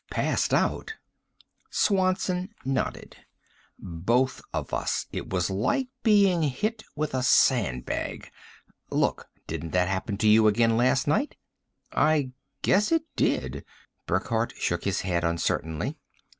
"Passed out?" Swanson nodded. "Both of us. It was like being hit with a sandbag. Look, didn't that happen to you again last night?" "I guess it did," Burckhardt shook his head uncertainly.